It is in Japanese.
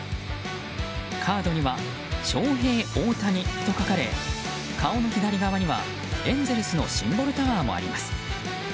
カードには「ＳＨＯＨＥＩＯＨＴＡＮＩ」と書かれ顔の左側にはエンゼルスのシンボルタワーもあります。